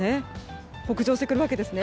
北上してくるわけですね。